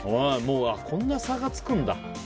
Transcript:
こんなに差がつくんだ。